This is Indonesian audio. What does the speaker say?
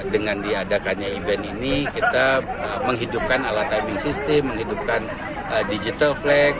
dengan diadakannya event ini kita menghidupkan alat timing system menghidupkan digital flag